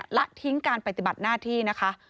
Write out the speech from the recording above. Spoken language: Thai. และทิ้งการปฏิบัติหน้าที่นะคะ